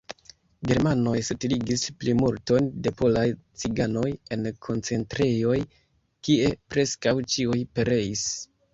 Germanoj setligis plimulton de polaj ciganoj en koncentrejoj, kie preskaŭ ĉiuj pereis.